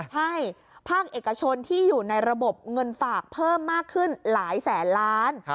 ใช่ภาคเอกชนที่อยู่ในระบบเงินฝากเพิ่มมากขึ้นหลายแสนล้าน